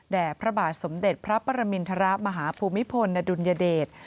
แต่พระบาทสมเด็จพระประมินธรรมหาภูมิพลณดุลยเดช